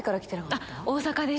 あっ大阪です。